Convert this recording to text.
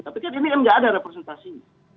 tapi kan ini kan nggak ada representasinya